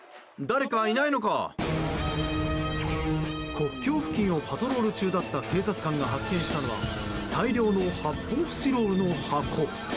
国境付近をパトロール中だった警察官が発見したのは大量の発泡スチロールの箱。